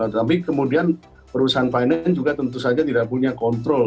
tapi kemudian perusahaan finance juga tentu saja tidak punya kontrol